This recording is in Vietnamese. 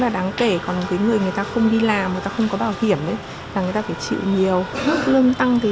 đáng kể còn với người người ta không đi làm người ta không có bảo hiểm là người ta phải chịu nhiều